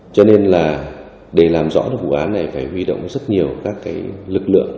cho nên là để làm rõ vụ án này phải huy động rất nhiều các lực lượng